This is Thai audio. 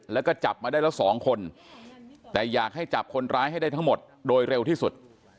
แล้วก็จับมาได้แล้วสองคนแต่อยากให้จับคนร้ายให้ได้ทั้งหมดโดยเร็วที่สุด